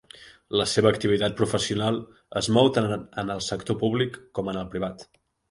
La seva activitat professional es mou tant en el sector públic com en el privat.